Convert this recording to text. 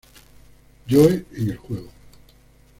Joe en el juego.